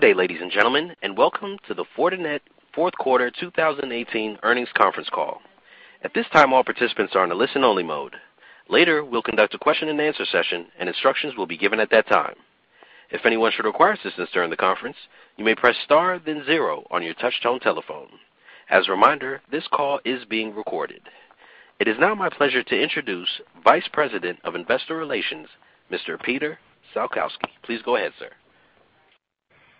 Good day, ladies and gentlemen, and welcome to the Fortinet Fourth Quarter 2018 Earnings Conference Call. At this time, all participants are in a listen-only mode. Later, we'll conduct a question and answer session, and instructions will be given at that time. If anyone should require assistance during the conference, you may press star then zero on your touch-tone telephone. As a reminder, this call is being recorded. It is now my pleasure to introduce Vice President of Investor Relations, Mr. Peter Salkowski. Please go ahead, sir.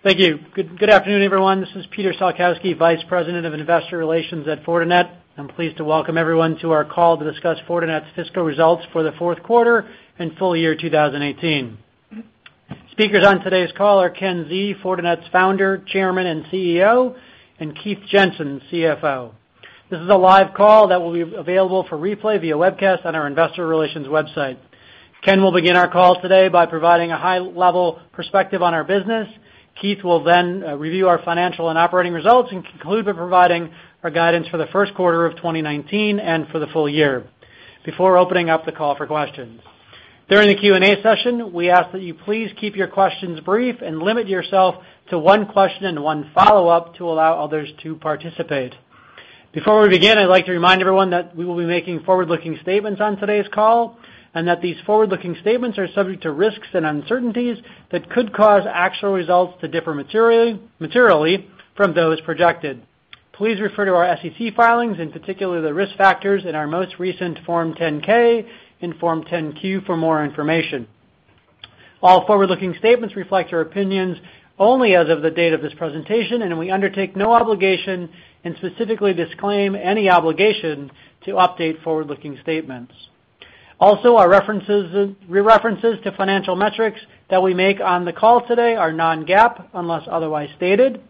Thank you. Good afternoon, everyone. This is Peter Salkowski, Vice President of Investor Relations at Fortinet. I'm pleased to welcome everyone to our call to discuss Fortinet's Fiscal results for the Fourth Quarter and Full Year 2018. Speakers on today's call are Ken Xie, Fortinet's Founder, Chairman, and CEO, and Keith Jensen, CFO. This is a live call that will be available for replay via webcast on our investor relations website. Ken will begin our call today by providing a high-level perspective on our business. Keith will then review our financial and operating results and conclude by providing our guidance for the first quarter of 2019 and for the full year, before opening up the call for questions. During the Q&A session, we ask that you please keep your questions brief and limit yourself to one question and one follow-up to allow others to participate. Before we begin, I'd like to remind everyone that we will be making forward-looking statements on today's call, that these forward-looking statements are subject to risks and uncertainties that could cause actual results to differ materially from those projected. Please refer to our SEC filings, particularly the risk factors in our most recent Form 10-K and Form 10-Q for more information. All forward-looking statements reflect our opinions only as of the date of this presentation, we undertake no obligation and specifically disclaim any obligation to update forward-looking statements. Our references to financial metrics that we make on the call today are non-GAAP, unless otherwise stated.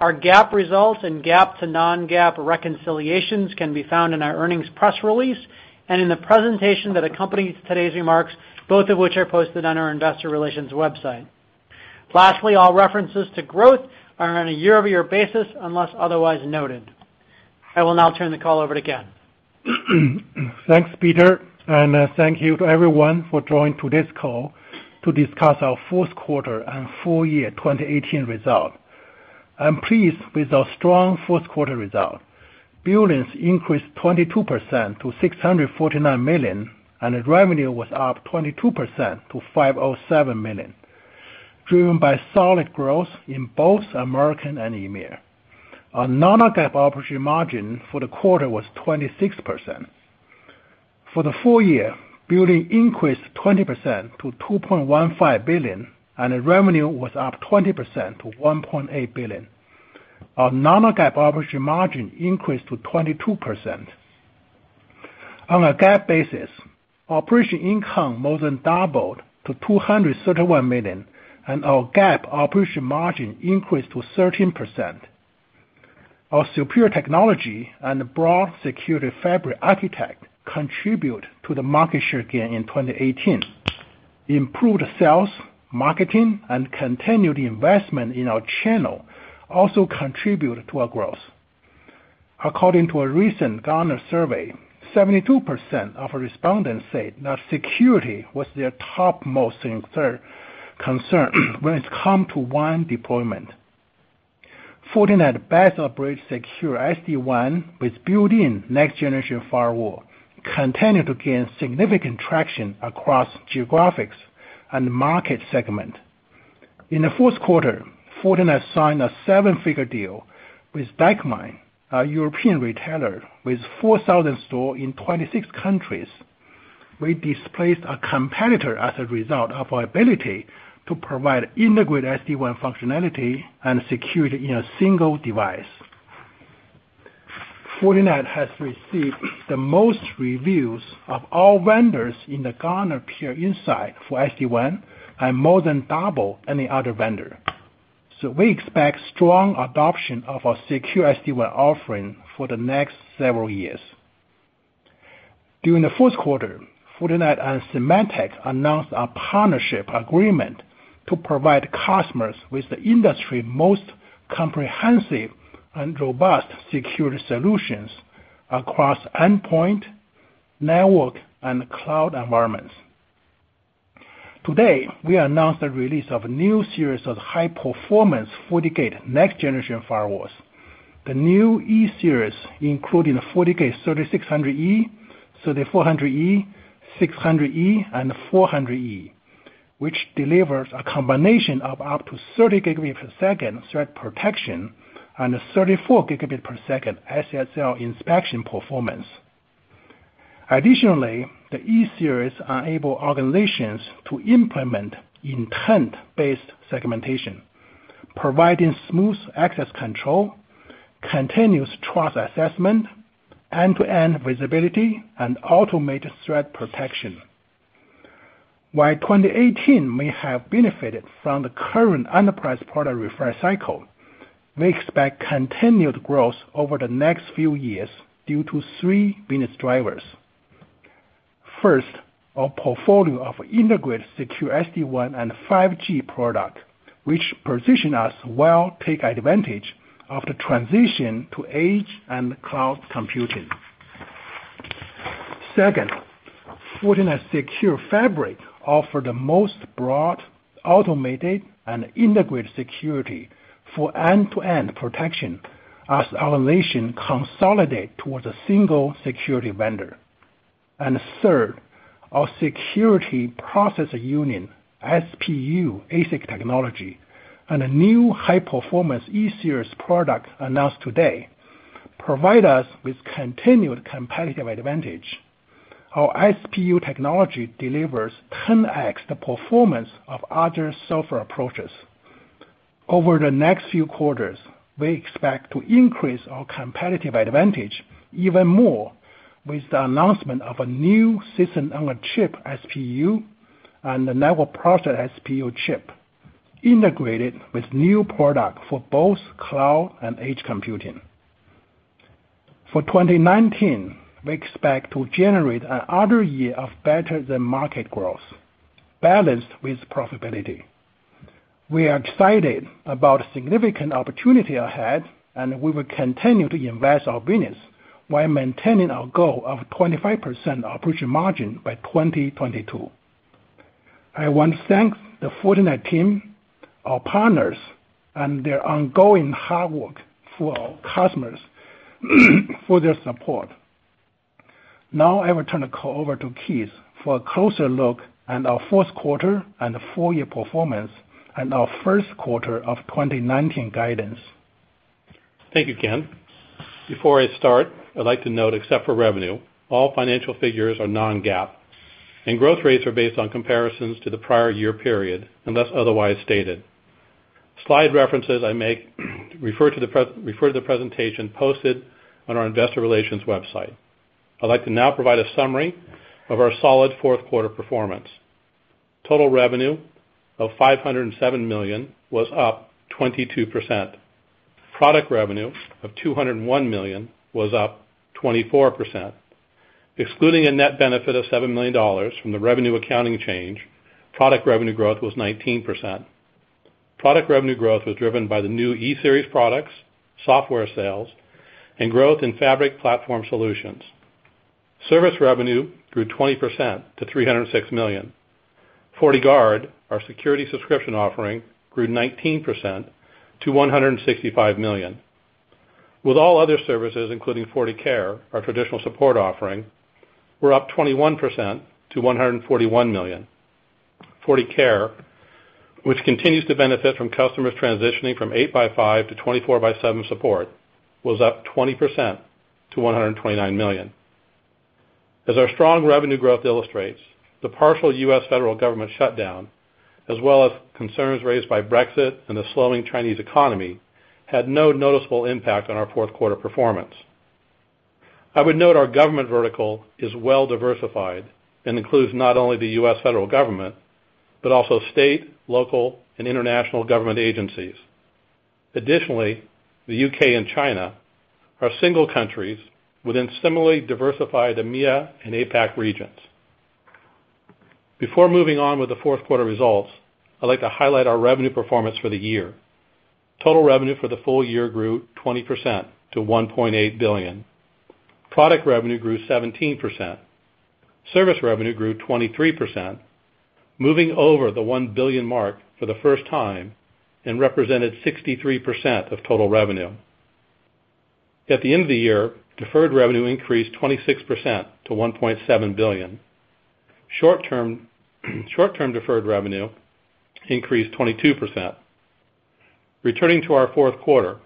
Our GAAP results and GAAP to non-GAAP reconciliations can be found in our earnings press release and in the presentation that accompanies today's remarks, both of which are posted on our investor relations website. All references to growth are on a year-over-year basis, unless otherwise noted. I will now turn the call over to Ken. Thanks, Peter. Thank you to everyone for joining today's call to discuss our fourth quarter and full year 2018 result. I'm pleased with our strong fourth quarter result. Billings increased 22% to $649 million. Revenue was up 22% to $507 million, driven by solid growth in both Americas and EMEA. Our non-GAAP operating margin for the quarter was 26%. For the full year, billing increased 20% to $2.15 billion. Revenue was up 20% to $1.8 billion. Our non-GAAP operating margin increased to 22%. On a GAAP basis, operating income more than doubled to $231 million. Our GAAP operating margin increased to 13%. Our superior technology and broad Security Fabric architecture contribute to the market share gain in 2018. Improved sales, marketing, and continued investment in our channel also contribute to our growth. According to a recent Gartner survey, 72% of respondents said that security was their topmost concern when it comes to WAN deployment. Fortinet best-of-breed secure SD-WAN with built-in next-generation firewall continued to gain significant traction across geographics and market segment. In the fourth quarter, Fortinet signed a seven-figure deal with Decathlon, a European retailer with 4,000 stores in 26 countries. We displaced a competitor as a result of our ability to provide integrated SD-WAN functionality and security in a single device. Fortinet has received the most reviews of all vendors in the Gartner Peer Insights for SD-WAN and more than double any other vendor. We expect strong adoption of our secure SD-WAN offering for the next several years. During the fourth quarter, Fortinet and Symantec announced a partnership agreement to provide customers with the industry most comprehensive and robust security solutions across endpoint, network, and cloud environments. Today, we announced the release of a new series of high-performance FortiGate next-generation firewalls. The new E-Series, including the FortiGate 3600E, 3400E, 600E, and 400E, which delivers a combination of up to 30 gigabit per second threat protection and 34 gigabit per second SSL inspection performance. Additionally, the E-Series enable organizations to implement intent-based segmentation, providing smooth access control, continuous trust assessment, end-to-end visibility, and automated threat protection. While 2018 may have benefited from the current enterprise product refresh cycle, we expect continued growth over the next few years due to three business drivers. First, our portfolio of integrated secure SD-WAN and 5G product, which position us well take advantage of the transition to edge and cloud computing. Second, Fortinet's Security Fabric offer the most broad, automated, and integrated security for end-to-end protection as organizations consolidate towards a single security vendor. Third, our Security Processing Unit, SPU ASIC technology, and a new high-performance E-Series product announced today provide us with continued competitive advantage. Our SPU technology delivers 10X the performance of other software approaches. Over the next few quarters, we expect to increase our competitive advantage even more with the announcement of a new system-on-a-chip SPU and the network processor SPU chip integrated with new product for both cloud and edge computing. For 2019, we expect to generate another year of better than market growth, balanced with profitability. We are excited about significant opportunity ahead, and we will continue to invest our business while maintaining our goal of 25% operational margin by 2022. I want to thank the Fortinet team, our partners, and their ongoing hard work for our customers for their support. Now, I will turn the call over to Keith for a closer look at our fourth quarter and full year performance and our first quarter of 2019 guidance. Thank you, Ken. Before I start, I'd like to note, except for revenue, all financial figures are non-GAAP, and growth rates are based on comparisons to the prior year period, unless otherwise stated. Slide references I make refer to the presentation posted on our investor relations website. I'd like to now provide a summary of our solid fourth quarter performance. Total revenue of $507 million was up 22%. Product revenue of $201 million was up 24%. Excluding a net benefit of $7 million from the revenue accounting change, product revenue growth was 19%. Product revenue growth was driven by the new E-Series products, software sales, and growth in fabric platform solutions. Service revenue grew 20% to $306 million. FortiGuard, our security subscription offering, grew 19% to $165 million. With all other services, including FortiCare, our traditional support offering, were up 21% to $141 million. FortiCare, which continues to benefit from customers transitioning from eight by five to twenty-four by seven support, was up 20% to $129 million. As our strong revenue growth illustrates, the partial U.S. federal government shutdown, as well as concerns raised by Brexit and the slowing Chinese economy, had no noticeable impact on our fourth quarter performance. I would note our government vertical is well diversified and includes not only the U.S. federal government, but also state, local, and international government agencies. Additionally, the U.K. and China are single countries within similarly diversified EMEA and APAC regions. Before moving on with the fourth quarter results, I'd like to highlight our revenue performance for the year. Total revenue for the full year grew 20% to $1.8 billion. Product revenue grew 17%. Service revenue grew 23%, moving over the $1 billion mark for the first time and represented 63% of total revenue. At the end of the year, deferred revenue increased 26% to $1.7 billion. Short-term deferred revenue increased 22%. Returning to our fourth quarter,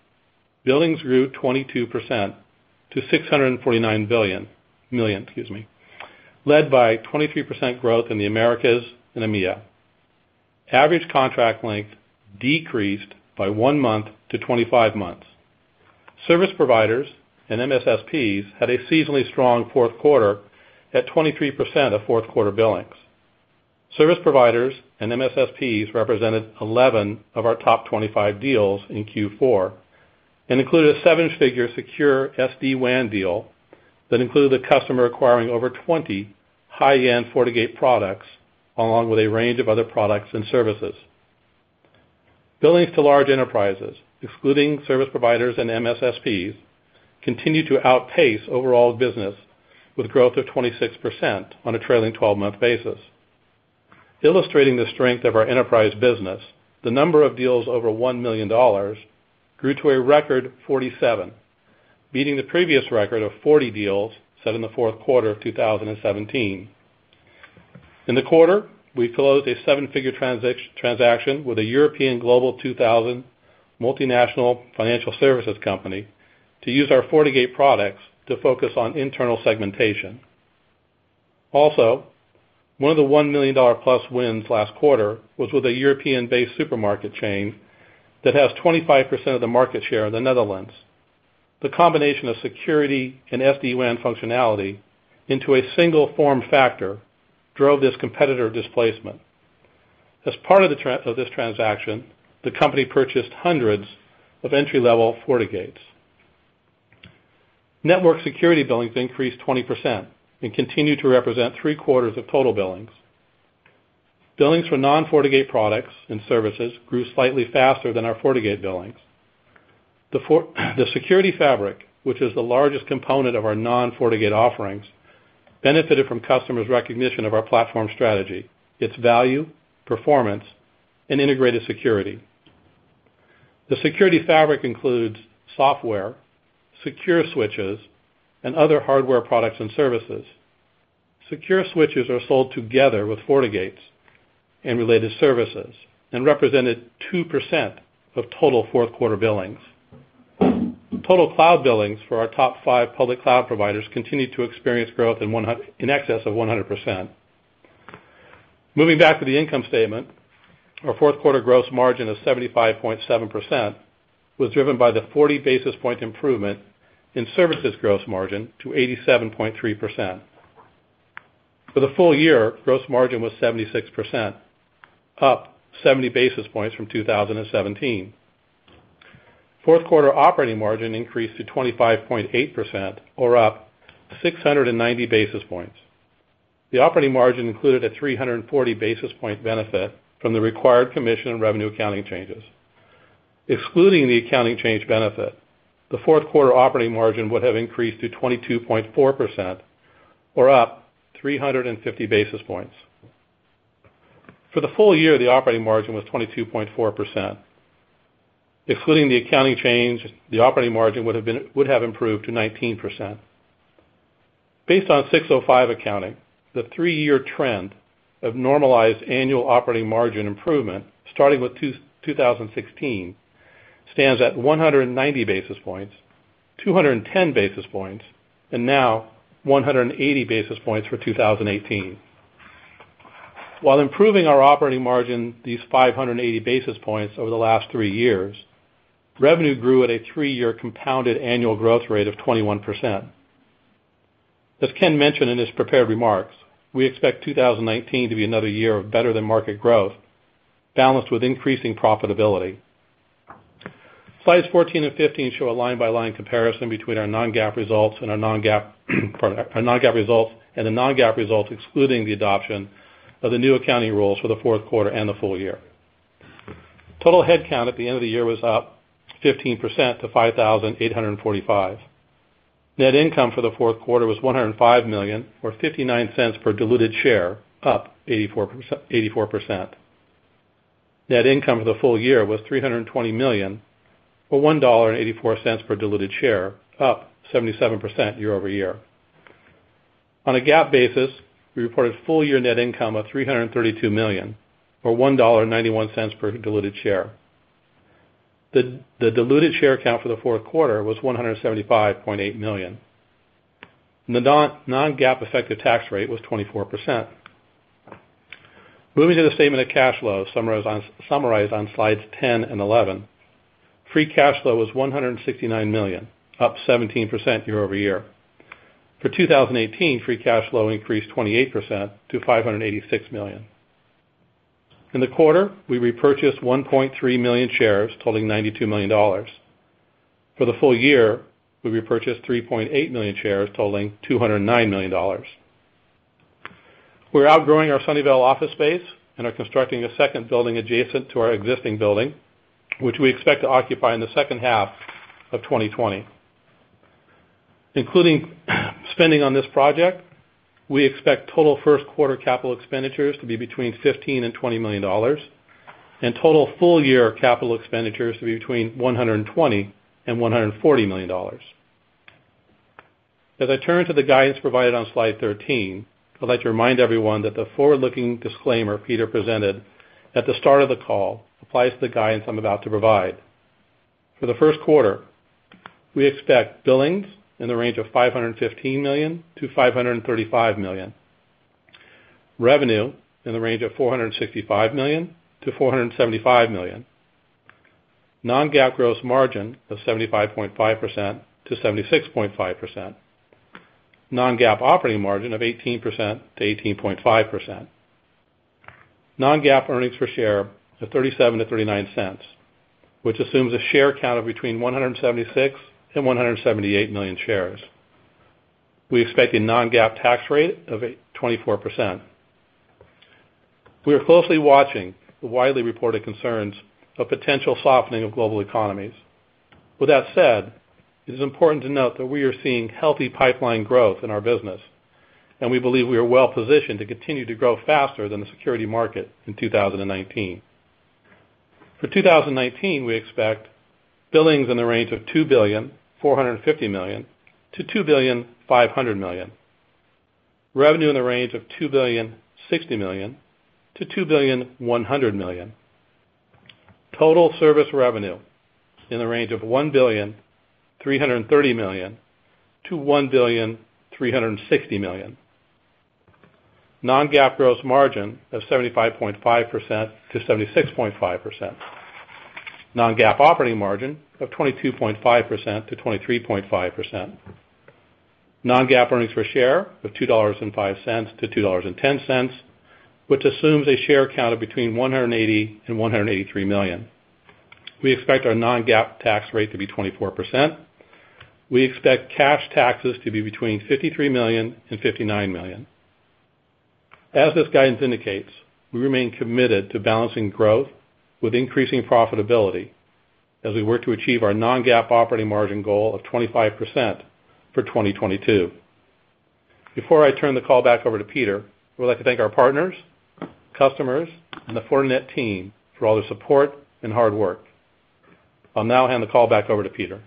billings grew 22% to $649 million. Led by 23% growth in the Americas and EMEA. Average contract length decreased by one month to 25 months. Service providers and MSSPs had a seasonally strong fourth quarter at 23% of fourth quarter billings. Service providers and MSSPs represented 11 of our top 25 deals in Q4 and included a seven-figure secure SD-WAN deal that included a customer acquiring over 20 high-end FortiGate products, along with a range of other products and services. Billings to large enterprises, excluding service providers and MSSPs, continued to outpace overall business with growth of 26% on a trailing 12-month basis. Illustrating the strength of our enterprise business, the number of deals over $1 million grew to a record 47, beating the previous record of 40 deals set in the fourth quarter of 2017. In the quarter, we closed a seven-figure transaction with a European Global 2000 multinational financial services company to use our FortiGate products to focus on internal segmentation. One of the $1 million plus wins last quarter was with a European-based supermarket chain that has 25% of the market share in the Netherlands. The combination of security and SD-WAN functionality into a single form factor drove this competitor displacement. As part of this transaction, the company purchased hundreds of entry-level FortiGates. Network security billings increased 20% and continued to represent three-quarters of total billings. Billings for non-FortiGate products and services grew slightly faster than our FortiGate billings. The Security Fabric, which is the largest component of our non-FortiGate offerings, benefited from customers' recognition of our platform strategy, its value, performance, and integrated security. The Security Fabric includes software, secure switches, and other hardware products and services. Secure switches are sold together with FortiGates and related services and represented 2% of total fourth-quarter billings. Total cloud billings for our top five public cloud providers continued to experience growth in excess of 100%. Moving back to the income statement, our fourth quarter gross margin of 75.7% was driven by the 40-basis-point improvement in services gross margin to 87.3%. For the full year, gross margin was 76%, up 70 basis points from 2017. Fourth-quarter operating margin increased to 25.8%, or up 690 basis points. The operating margin included a 340-basis-point benefit from the required commission and revenue accounting changes. Excluding the accounting change benefit, the fourth quarter operating margin would have increased to 22.4%, or up 350 basis points. For the full year, the operating margin was 22.4%. Excluding the accounting change, the operating margin would have improved to 19%. Based on 605 accounting, the three-year trend of normalized annual operating margin improvement starting with 2016 stands at 190 basis points, 210 basis points, and now 180 basis points for 2018. While improving our operating margin these 580 basis points over the last three years, revenue grew at a three-year compounded annual growth rate of 21%. As Ken mentioned in his prepared remarks, we expect 2019 to be another year of better-than-market growth, balanced with increasing profitability. Slides 14 and 15 show a line-by-line comparison between our non-GAAP results and the non-GAAP results excluding the adoption of the new accounting rules for the fourth quarter and the full year. Total headcount at the end of the year was up 15% to 5,845. Net income for the fourth quarter was $105 million, or $0.59 per diluted share, up 84%. Net income for the full year was $320 million, or $1.84 per diluted share, up 77% year-over-year. On a GAAP basis, we reported full-year net income of $332 million, or $1.91 per diluted share. The diluted share count for the fourth quarter was 175.8 million. The non-GAAP effective tax rate was 24%. Moving to the statement of cash flow summarized on slides 10 and 11. Free cash flow was $169 million, up 17% year-over-year. For 2018, free cash flow increased 28% to $586 million. In the quarter, we repurchased 1.3 million shares totaling $92 million. For the full year, we repurchased 3.8 million shares totaling $209 million. We are outgrowing our Sunnyvale office space and are constructing a second building adjacent to our existing building, which we expect to occupy in the second half of 2020. Including spending on this project, we expect total first-quarter capital expenditures to be between $15 million and $20 million, and total full-year capital expenditures to be between $120 million and $140 million. As I turn to the guidance provided on slide 13, I would like to remind everyone that the forward-looking disclaimer Peter presented at the start of the call applies to the guidance I am about to provide. For the first quarter, we expect billings in the range of $515 million-$535 million, revenue in the range of $465 million-$475 million, non-GAAP gross margin of 75.5%-76.5%, non-GAAP operating margin of 18%-18.5%, non-GAAP earnings per share of $0.37-$0.39, which assumes a share count of between 176 million and 178 million shares. We expect a non-GAAP tax rate of 24%. We are closely watching the widely reported concerns of potential softening of global economies. With that said, it is important to note that we are seeing healthy pipeline growth in our business, and we believe we are well-positioned to continue to grow faster than the security market in 2019. For 2019, we expect billings in the range of $2.45 billion-$2.5 billion. Revenue in the range of $2.06 billion-$2.1 billion. Total service revenue in the range of $1.33 billion-$1.36 billion. Non-GAAP gross margin of 75.5%-76.5%. Non-GAAP operating margin of 22.5%-23.5%. Non-GAAP earnings per share of $2.05-$2.10, which assumes a share count of between 180 million and 183 million. We expect our non-GAAP tax rate to be 24%. We expect cash taxes to be between $53 million and $59 million. As this guidance indicates, we remain committed to balancing growth with increasing profitability as we work to achieve our non-GAAP operating margin goal of 25% for 2022. Before I turn the call back over to Peter, we would like to thank our partners, customers, and the Fortinet team for all their support and hard work. I will now hand the call back over to Peter.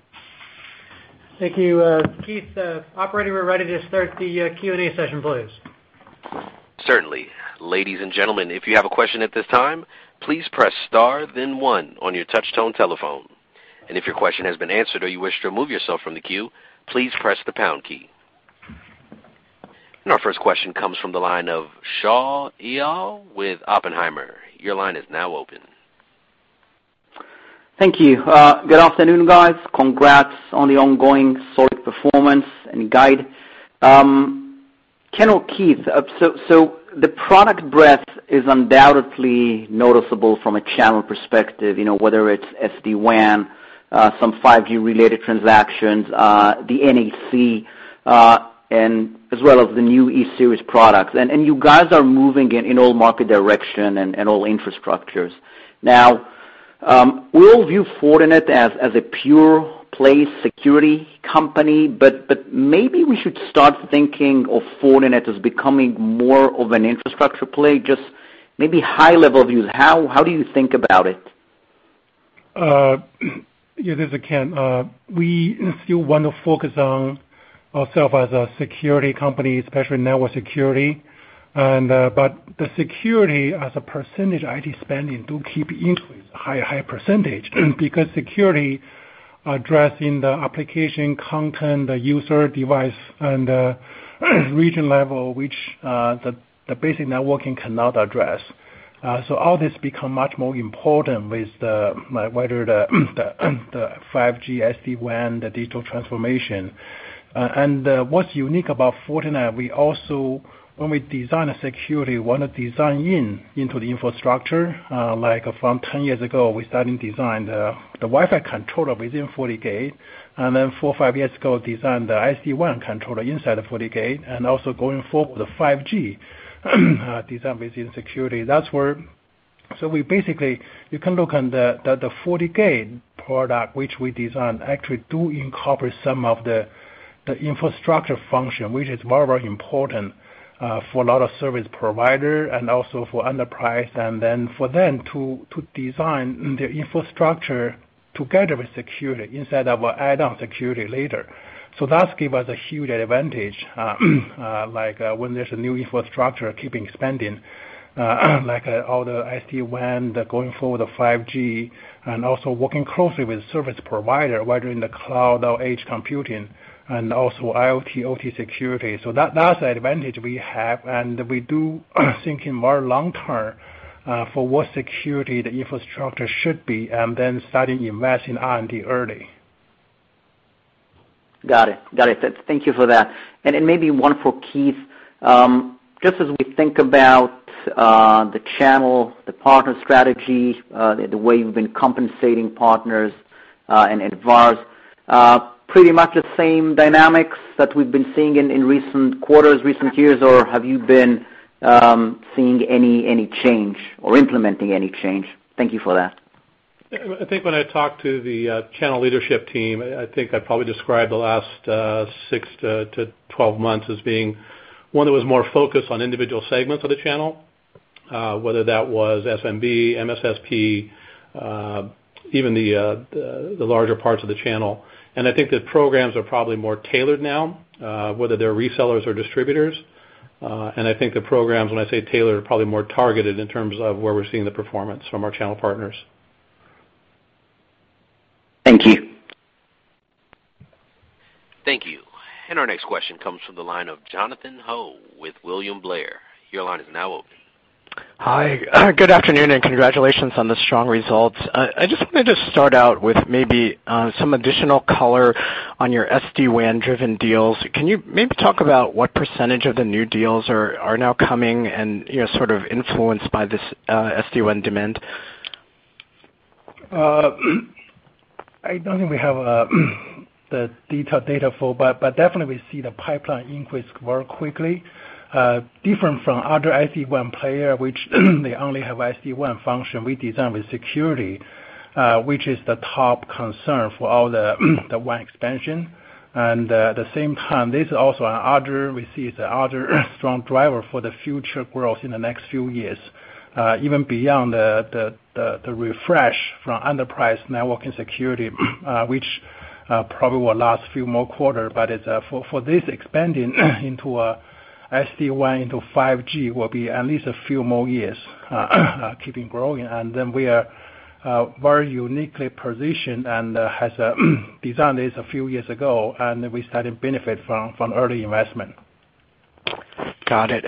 Thank you, Keith. Operator, we are ready to start the Q&A session, please. Certainly. Ladies and gentlemen, if you have a question at this time, please press star then one on your touch tone telephone. If your question has been answered or you wish to remove yourself from the queue, please press the pound key. Our first question comes from the line of Shaul Eyal with Oppenheimer. Your line is now open. Thank you. Good afternoon, guys. Congrats on the ongoing solid performance and guide. Ken or Keith, the product breadth is undoubtedly noticeable from a channel perspective, whether it's SD-WAN, some 5G-related transactions, the NEC, as well as the new E-Series products. You guys are moving in all market direction and all infrastructures. Now, we all view Fortinet as a pure play security company, but maybe we should start thinking of Fortinet as becoming more of an infrastructure play, just maybe high-level views. How do you think about it? Yeah, this is Ken. We still want to focus on ourself as a security company, especially network security. But the security as a percentage, IT spending do keep increase high percentage because security addressing the application content, the user device, and the region level, which the basic networking cannot address. All this become much more important with whether the 5G, SD-WAN, the digital transformation. What's unique about Fortinet, when we design a security, want to design in into the infrastructure. Like from 10 years ago, we started design the Wi-Fi controller within FortiGate, and then four, five years ago, designed the SD-WAN controller inside the FortiGate, and also going forward with 5G design within security. Basically, you can look on the FortiGate product, which we designed actually do incorporate some of the infrastructure function, which is very important for a lot of service provider and also for enterprise. Then for them to design their infrastructure together with security instead of add-on security later. That give us a huge advantage, like when there's a new infrastructure keeping expanding, like all the SD-WAN, the going forward of 5G, and also working closely with service provider, whether in the cloud or edge computing and also IoT, OT security. That's the advantage we have, and we do think in more long-term, for what security the infrastructure should be and then starting invest in R&D early. Got it. Thank you for that. Maybe one for Keith. Just as we think about the channel, the partner strategy, the way you've been compensating partners and advance. Pretty much the same dynamics that we've been seeing in recent quarters, recent years, or have you been seeing any change or implementing any change? Thank you for that. I think when I talk to the channel leadership team, I think I'd probably describe the last six to 12 months as being one that was more focused on individual segments of the channel, whether that was SMB, MSSP, even the larger parts of the channel. I think the programs are probably more tailored now, whether they're resellers or distributors. I think the programs, when I say tailored, are probably more targeted in terms of where we're seeing the performance from our channel partners. Thank you. Thank you. Our next question comes from the line of Jonathan Ho with William Blair. Your line is now open. Hi. Good afternoon. Congratulations on the strong results. I just wanted to start out with maybe some additional color on your SD-WAN driven deals. Can you maybe talk about what percentage of the new deals are now coming and sort of influenced by this SD-WAN demand? I don't think we have the detailed data for. Definitely we see the pipeline increase very quickly. Different from other SD-WAN player, which they only have SD-WAN function, we design with security, which is the top concern for all the WAN expansion. At the same time, this is also we see the other strong driver for the future growth in the next few years, even beyond the refresh from enterprise networking security, which probably will last few more quarters. For this expanding into SD-WAN into 5G will be at least a few more years keeping growing. We are very uniquely positioned and has designed this a few years ago, and we started benefit from early investment. Got it.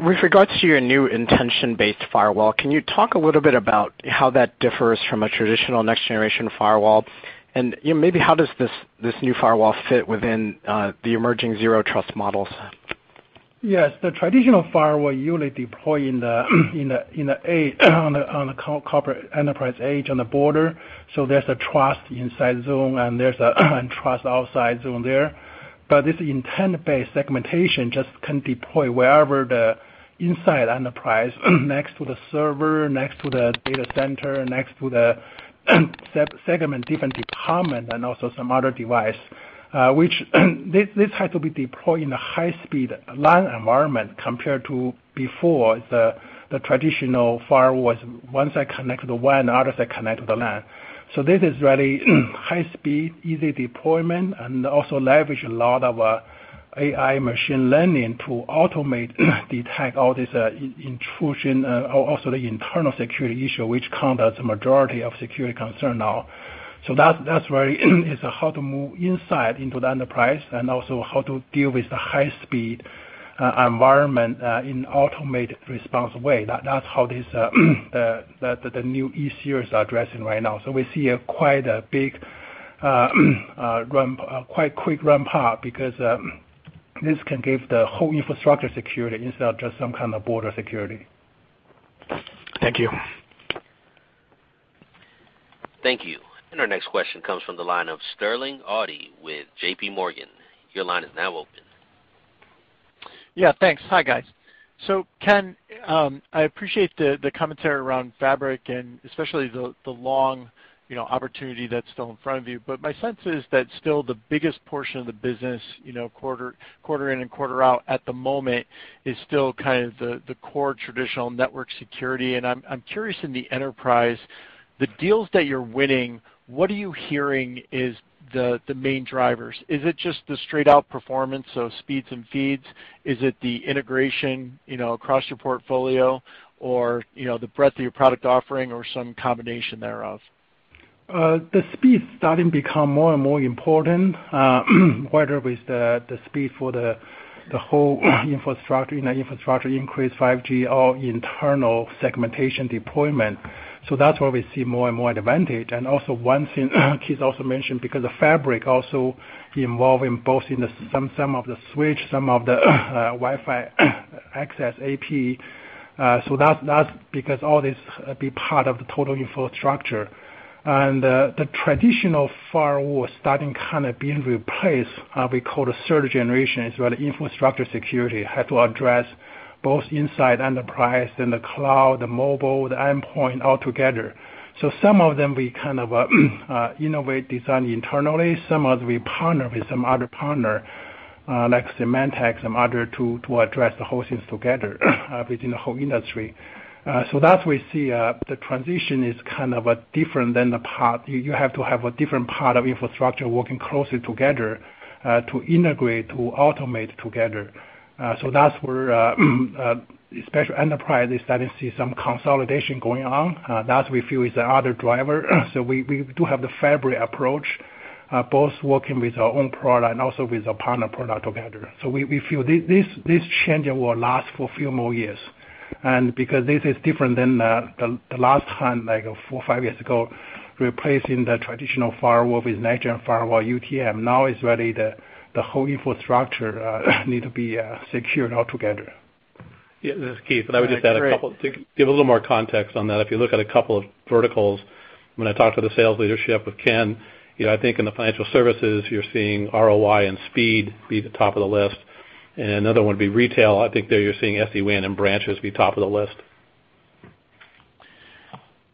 With regards to your new intention-based firewall, can you talk a little bit about how that differs from a traditional next generation firewall? Maybe how does this new firewall fit within the emerging zero trust models? Yes. The traditional firewall usually deploy on the corporate enterprise edge on the border. There's a trust inside zone and there's a trust outside zone there. This intent-based segmentation just can deploy wherever the inside enterprise, next to the server, next to the data center, next to the segment, different department, and also some other device. Which this has to be deployed in a high-speed LAN environment compared to before, the traditional firewalls, once I connect the WAN, others, I connect the LAN. This is really high speed, easy deployment, and also leverage a lot of AI machine learning to automate, detect all this intrusion, also the internal security issue, which count as the majority of security concern now. That's why it's how to move inside into the enterprise and also how to deal with the high-speed environment, in automated response way. That's how the new E-Series are addressing right now. We see quite a quick ramp path because this can give the whole infrastructure security instead of just some kind of border security. Thank you. Thank you. Our next question comes from the line of Sterling Auty with J.P. Morgan. Your line is now open. Yeah, thanks. Hi, guys. Ken, I appreciate the commentary around Security Fabric and especially the long opportunity that's still in front of you. My sense is that still the biggest portion of the business, quarter in and quarter out at the moment, is still kind of the core traditional network security. I'm curious in the enterprise, the deals that you're winning, what are you hearing is the main drivers? Is it just the straight-out performance of speeds and feeds? Is it the integration across your portfolio or the breadth of your product offering or some combination thereof? The speed's starting to become more and more important, whether it's the speed for the whole infrastructure increase 5G or internal segmentation deployment. That's where we see more and more advantage. One thing Keith also mentioned, because of Security Fabric also involving both in some of the switch, some of the Wi-Fi access AP. That's because all this be part of the total infrastructure. The traditional firewall starting kind of being replaced, we call the third generation as well, infrastructure security had to address both inside enterprise, then the cloud, the mobile, the endpoint all together. Some of them we kind of innovate design internally. Some of we partner with some other partner, like Symantec, some other to address the whole things together within the whole industry. That we see the transition is kind of different than the part. You have to have a different part of infrastructure working closely together, to integrate, to automate together. That's where, especially enterprise is starting to see some consolidation going on. That we feel is the other driver. We do have the Security Fabric approach, both working with our own product and also with the partner product together. We feel this changing will last for a few more years. Because this is different than the last time, like four or five years ago, replacing the traditional firewall with next-gen firewall UTM. Now it's really the whole infrastructure need to be secured altogether. This is Keith, I would just add a couple to give a little more context on that. If you look at a couple of verticals, when I talk to the sales leadership with Ken, I think in the financial services you're seeing ROI and speed be the top of the list. Another one would be retail. I think there you're seeing SD-WAN and branches be top of the list.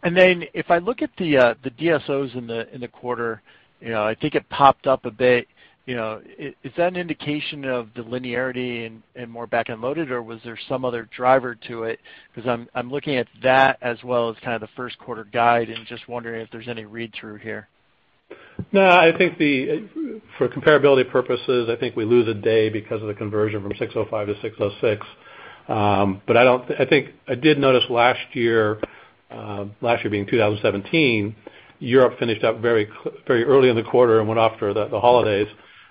If I look at the DSOs in the quarter, I think it popped up a bit. Is that an indication of the linearity and more back-end loaded, or was there some other driver to it? I'm looking at that as well as kind of the first quarter guide and just wondering if there's any read-through here. No, I think for comparability purposes, I think we lose a day because of the conversion from ASC 605 to ASC 606. I did notice last year, last year being 2017, Europe finished up very early in the quarter and went off for the holidays.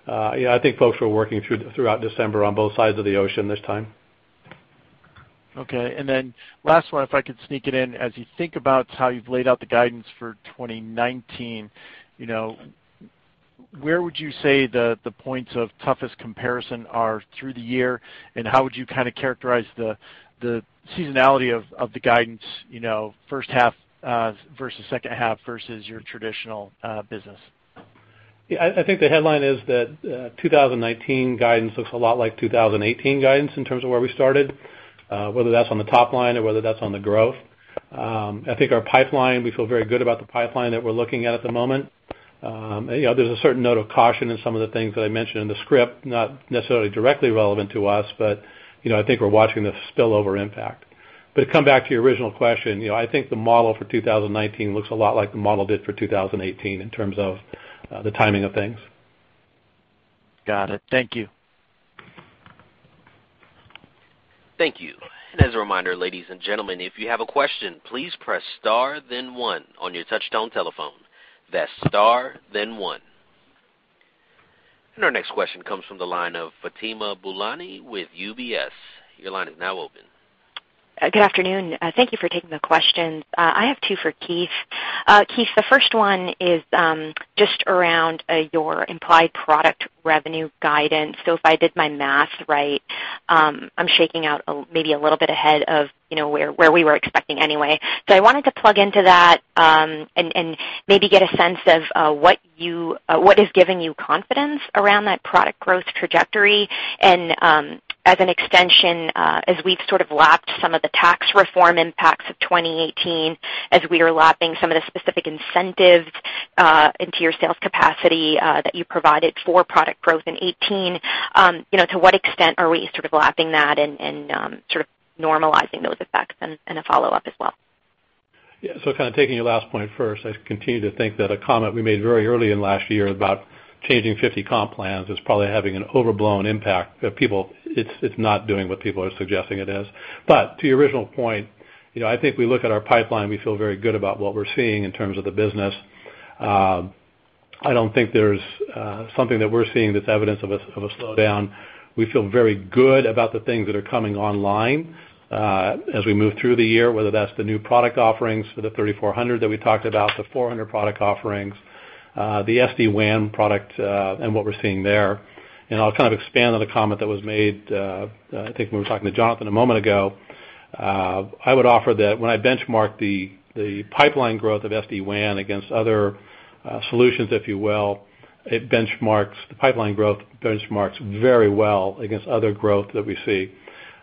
I think folks were working throughout December on both sides of the ocean this time. Okay. Last one, if I could sneak it in. As you think about how you've laid out the guidance for 2019, where would you say the points of toughest comparison are through the year, How would you kind of characterize the seasonality of the guidance, first half versus second half versus your traditional business? Yeah, I think the headline is that 2019 guidance looks a lot like 2018 guidance in terms of where we started, whether that's on the top line or whether that's on the growth. I think our pipeline, we feel very good about the pipeline that we're looking at the moment. There's a certain note of caution in some of the things that I mentioned in the script, not necessarily directly relevant to us, but I think we're watching the spillover impact. To come back to your original question, I think the model for 2019 looks a lot like the model did for 2018 in terms of the timing of things. Got it. Thank you. Thank you. As a reminder, ladies and gentlemen, if you have a question, please press star then one on your touchtone telephone. That's star then one. Our next question comes from the line of Fatima Boolani with UBS. Your line is now open Good afternoon. Thank you for taking the questions. I have two for Keith. Keith, the first one is just around your implied product revenue guidance. If I did my math right, I'm shaking out maybe a little bit ahead of where we were expecting anyway. I wanted to plug into that and maybe get a sense of what is giving you confidence around that product growth trajectory, and as an extension, as we've sort of lapped some of the tax reform impacts of 2018, as we are lapping some of the specific incentives into your sales capacity that you provided for product growth in 2018, to what extent are we sort of lapping that and sort of normalizing those effects? A follow-up as well. Yeah. Kind of taking your last point first, I continue to think that a comment we made very early in last year about changing 50 comp plans is probably having an overblown impact. It's not doing what people are suggesting it is. To your original point, I think we look at our pipeline, we feel very good about what we're seeing in terms of the business. I don't think there's something that we're seeing that's evidence of a slowdown. We feel very good about the things that are coming online as we move through the year, whether that's the new product offerings for the 3400 that we talked about, the 400 product offerings, the SD-WAN product, and what we're seeing there. I'll kind of expand on the comment that was made, I think, when we were talking to Jonathan a moment ago. I would offer that when I benchmark the pipeline growth of SD-WAN against other solutions, if you will, the pipeline growth benchmarks very well against other growth that we see.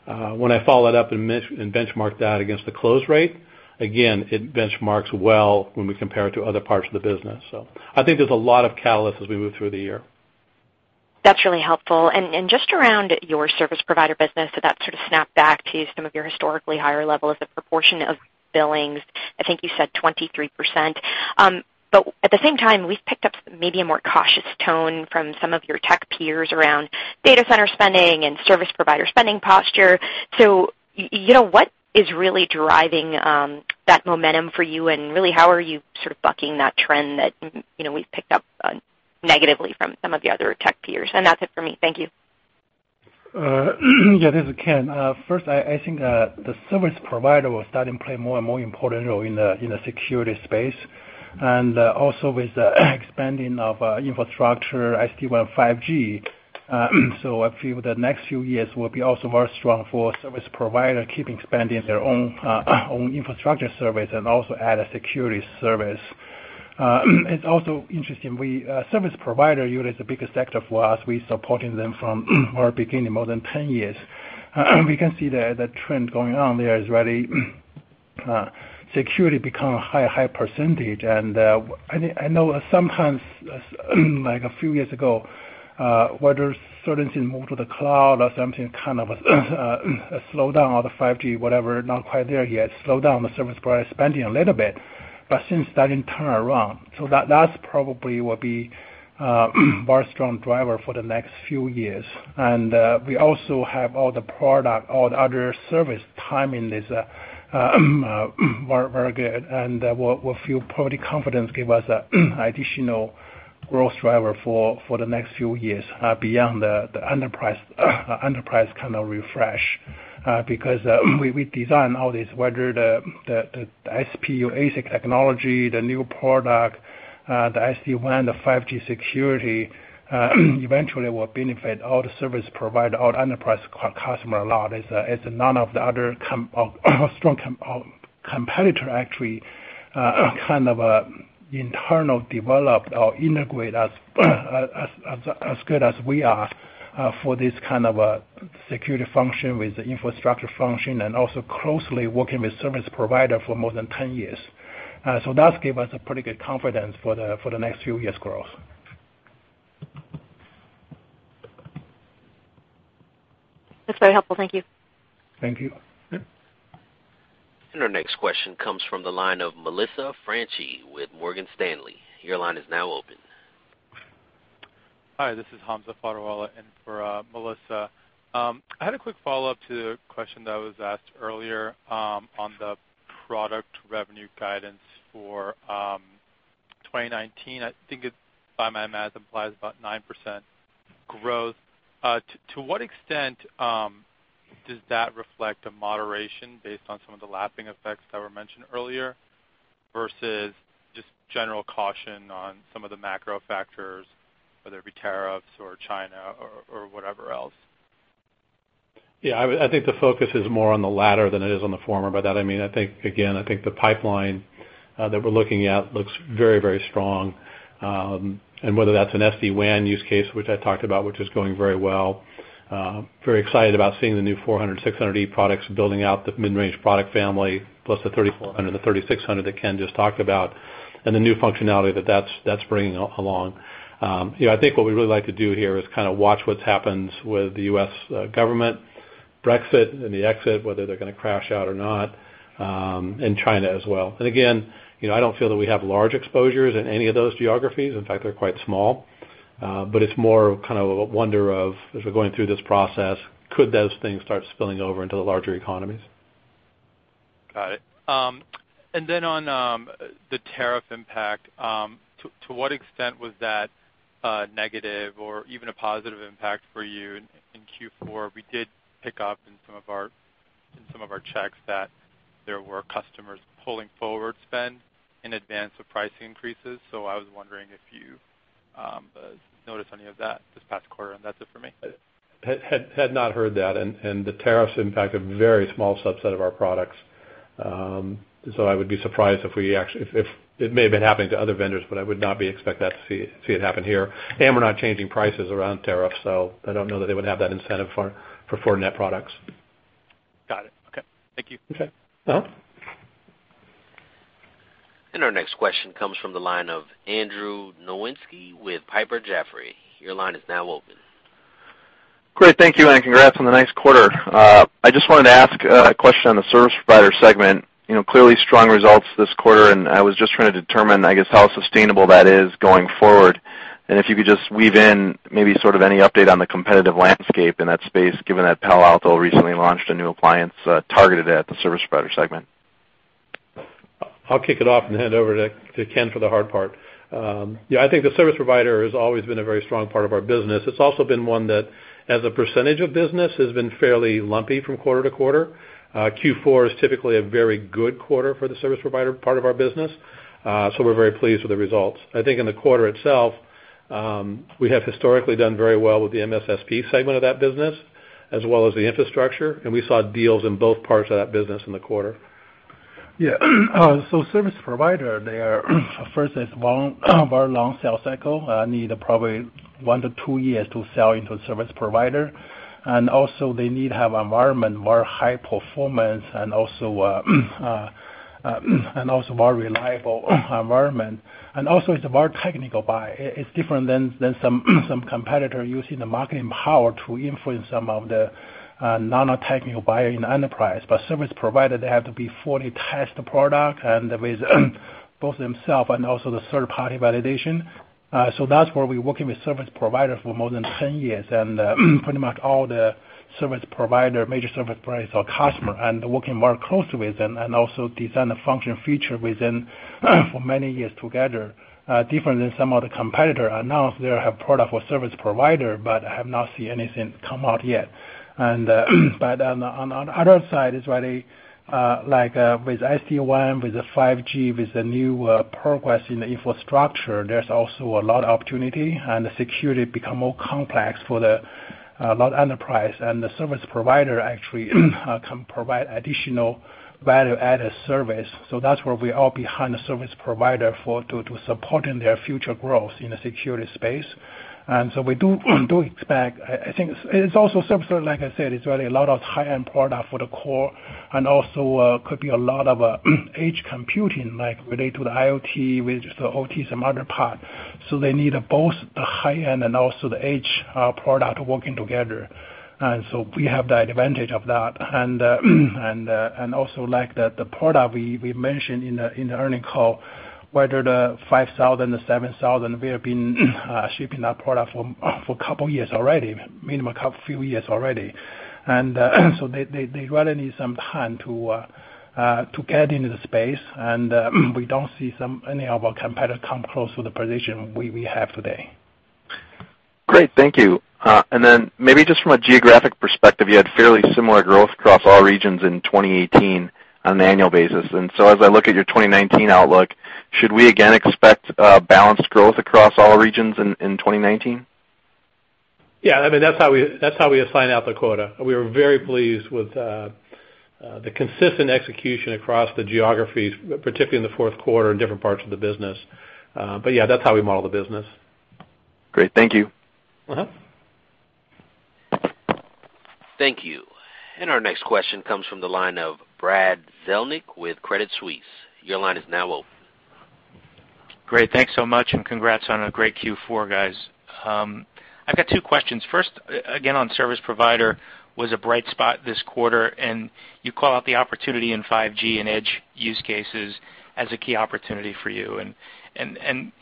When I follow it up and benchmark that against the close rate, again, it benchmarks well when we compare it to other parts of the business. I think there's a lot of catalyst as we move through the year. That's really helpful. Just around your service provider business, that sort of snap back to some of your historically higher levels, the proportion of billings, I think you said 23%. At the same time, we've picked up maybe a more cautious tone from some of your tech peers around data center spending and service provider spending posture. What is really driving that momentum for you, and really, how are you sort of bucking that trend that we've picked up negatively from some of the other tech peers? That's it for me. Thank you. Yeah, this is Ken. First, I think the service provider will start to play a more and more important role in the security space, also with the expanding of infrastructure, SD-WAN 5G. I feel the next few years will be also very strong for service provider, keeping expanding their own infrastructure service and also add a security service. It's also interesting. Service provider unit is the biggest sector for us. We're supporting them from our beginning more than 10 years. We can see the trend going on there is really security become a high percentage. I know sometimes, like a few years ago, whether certain things move to the cloud or something, kind of a slowdown of the 5G, whatever, not quite there yet, slow down the service provider spending a little bit. Since that didn't turn around. That probably will be very strong driver for the next few years. We also have all the product, all the other service timing is very good, and we feel probably confidence give us additional growth driver for the next few years beyond the enterprise kind of refresh. Because we design all this, whether the SPU ASIC technology, the new product, the SD-WAN, the 5G security eventually will benefit all the service provider, all enterprise customer a lot, as none of the other strong competitor actually kind of internal developed or integrate as good as we are for this kind of a security function with the infrastructure function and also closely working with service provider for more than 10 years. That give us a pretty good confidence for the next few years' growth. That's very helpful. Thank you. Thank you. Yeah. Our next question comes from the line of Melissa Franchi with Morgan Stanley. Your line is now open. Hi, this is Hamza Fodderwala in for Melissa. I had a quick follow-up to the question that was asked earlier on the product revenue guidance for 2019. I think if my math applies, about 9% growth. To what extent does that reflect a moderation based on some of the lapping effects that were mentioned earlier versus just general caution on some of the macro factors, whether it be tariffs or China or whatever else? I think the focus is more on the latter than it is on the former. By that I mean, I think, again, I think the pipeline that we're looking at looks very strong. Whether that's an SD-WAN use case, which I talked about, which is going very well. Very excited about seeing the new 400, 600E products building out the mid-range product family, plus the 3400 and the 3600 that Ken just talked about, and the new functionality that's bringing along. I think what we'd really like to do here is kind of watch what happens with the U.S. government, Brexit and the exit, whether they're going to crash out or not, and China as well. Again, I don't feel that we have large exposures in any of those geographies. In fact, they're quite small. It's more kind of a wonder of, as we're going through this process, could those things start spilling over into the larger economies? Got it. On the tariff impact, to what extent was that a negative or even a positive impact for you in Q4? We did pick up in some of our checks that there were customers pulling forward spend in advance of price increases. I was wondering if you noticed any of that this past quarter. That's it for me. Had not heard that, the tariffs impact a very small subset of our products. I would be surprised. It may have been happening to other vendors, but I would not expect that to see it happen here. We're not changing prices around tariffs, I don't know that they would have that incentive for Fortinet products. Got it. Okay. Thank you. Okay. No. Our next question comes from the line of Andrew Nowinski with Piper Jaffray. Your line is now open. Great. Thank you. Congrats on the nice quarter. I just wanted to ask a question on the service provider segment. Clearly strong results this quarter, I was just trying to determine, I guess, how sustainable that is going forward. If you could just weave in maybe sort of any update on the competitive landscape in that space, given that Palo Alto recently launched a new appliance targeted at the service provider segment. I'll kick it off and hand over to Ken for the hard part. I think the service provider has always been a very strong part of our business. It's also been one that, as a percentage of business, has been fairly lumpy from quarter to quarter. Q4 is typically a very good quarter for the service provider part of our business. We're very pleased with the results. I think in the quarter itself, we have historically done very well with the MSSP segment of that business as well as the infrastructure, and we saw deals in both parts of that business in the quarter. Yeah. Service provider, they are, first, it's very long sales cycle, need probably one-two years to sell into a service provider. They need to have environment, more high performance and also, more reliable environment. It's a more technical buy. It's different than some competitor using the marketing power to influence some of the non-technical buyer in enterprise. Service provider, they have to be fully test the product and with both themself and also the third-party validation. That's where we're working with service provider for more than 10 years. Pretty much all the service provider, major service providers are customer, and working very closely with them and also design the function feature with them for many years together. Different than some of the competitor announce they have product for service provider, but I have not seen anything come out yet. On the other side is really, like, with SD-WAN, with the 5G, with the new progress in the infrastructure, there's also a lot of opportunity, and the security become more complex for the large enterprise. The service provider actually can provide additional value-added service. That's where we are behind the service provider to supporting their future growth in the security space. We do expect, I think it's also service, like I said, it's really a lot of high-end product for the core and also could be a lot of edge computing, like related to the IoT, with the OT, some other part. They need both the high-end and also the edge product working together. We have the advantage of that. Like the product we mentioned in the earning call, whether the 5000, the 7000, we have been shipping that product for a couple of years already, minimum a few years already. They really need some time to get into the space. We don't see any of our competitor come close to the position we have today. Great. Thank you. Maybe just from a geographic perspective, you had fairly similar growth across all regions in 2018 on an annual basis. As I look at your 2019 outlook, should we again expect a balanced growth across all regions in 2019? Yeah. I mean, that's how we assign out the quota. We are very pleased with the consistent execution across the geographies, particularly in the fourth quarter in different parts of the business. Yeah, that's how we model the business. Great. Thank you. Thank you. Our next question comes from the line of Brad Zelnick with Credit Suisse. Your line is now open. Great. Thanks so much, and congrats on a great Q4, guys. I've got two questions. First, again, on service provider was a bright spot this quarter, and you call out the opportunity in 5G and Edge use cases as a key opportunity for you. Can